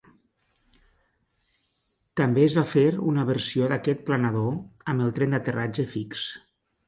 També es va fer una versió d'aquest planador amb el tren d'aterratge fix.